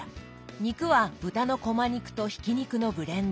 肉は豚のこま肉とひき肉のブレンド。